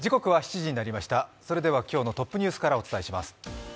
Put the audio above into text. それでは今日のトップニュースからお伝えします。